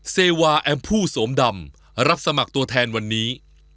เซวาแอมพู่สวมดำรับสมัครตัวแทนวันนี้